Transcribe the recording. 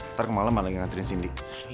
ntar kemalam malah lagi ngantriin cindy